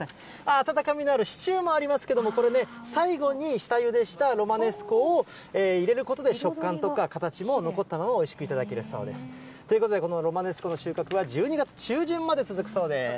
温かみのあるシチューもありますけれども、これ、最後に下ゆでしたロマネスコを入れることで食感とか形が残ったのをおいしく頂けるそうです。ということで、このロマネスコの収穫は、１２月中旬まで続くそうです。